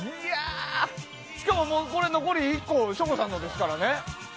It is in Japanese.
しかも残り１個省吾さんのですからね。